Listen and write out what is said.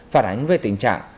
phản ánh về tình trạng